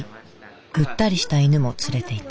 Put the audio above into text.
ぐったりした犬も連れていた。